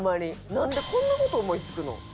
なんでこんな事思い付くの？